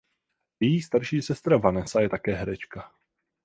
Její starší sestra Vanessa je také herečka.